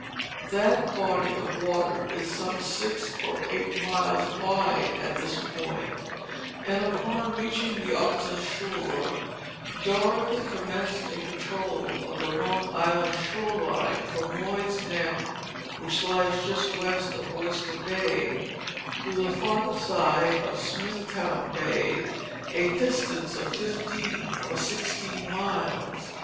That body of water is some six or eight miles wide at this point, and upon reaching the opposite shore, Dorothy commenced a patrol of the Long Island shore line from Lloyds' Neck, which lies just west of Oyster Bay, to the farther side of Smithtown Bay, a distance of fifteen or sixteen miles.